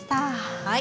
はい。